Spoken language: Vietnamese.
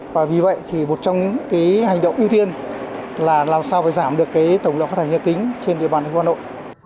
và vì vậy thì một trong những hành động ưu tiên là làm sao phải giảm được tổng lượng phát thải nhà kính trên địa bàn thành phố hà nội